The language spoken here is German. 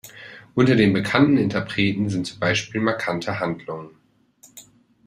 Unter den bekannten Interpreten sind zum Beispiel Markante Handlungen.